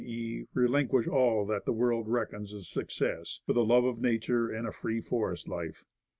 e., relinquish all of what the world reckons as success, for the love of nature and a free forest life.